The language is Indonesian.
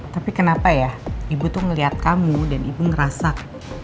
tapi kenapa ya ibu tuh ngeliat kamu dan ibu ngerasak